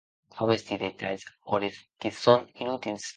Aguesti detalhs òrres que son inutils.